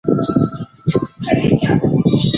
乙种车辆则不得驶入。